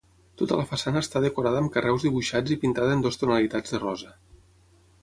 Tota la façana està decorada amb carreus dibuixats i pintada en dues tonalitats de rosa.